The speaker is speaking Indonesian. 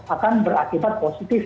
akan berakibat positif